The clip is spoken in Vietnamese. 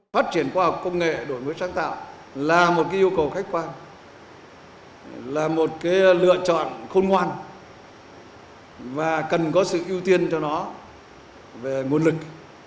phát triển khoa học công nghệ đổi mới sáng tạo là một yêu cầu khách quan là một lựa chọn khôn ngoan và cần có sự ưu tiên cho nó về nguồn lực